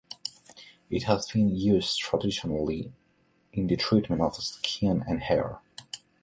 It has been used traditionally in the treatment of skin and hair.